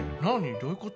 どういうこと？